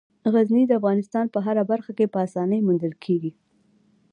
غزني د افغانستان په هره برخه کې په اسانۍ موندل کېږي.